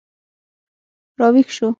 راویښ شو